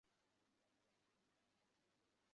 অন্য যে-জগতে আমি যাই, সেখানেও আপনার মতো এক জন আছেন।